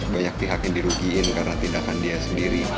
banyak pihak yang dirugikan karena tindakan dia sendiri